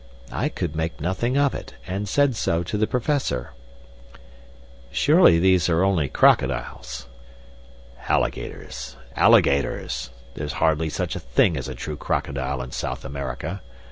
I could make nothing of it, and said so to the Professor. "Surely these are only crocodiles?" "Alligators! Alligators! There is hardly such a thing as a true crocodile in South America.